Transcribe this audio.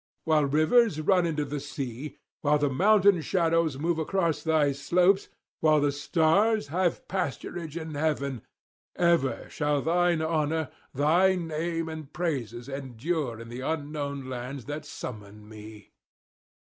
While rivers run into the sea, while the mountain shadows move across their slopes, while the stars have pasturage in heaven, ever shall thine honour, thy name and praises endure in the unknown lands that summon me.'